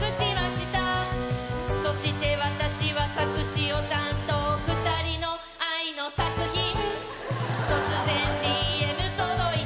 「そして私は作詞を担当」「２人の愛の作品」「突然ＤＭ届いた」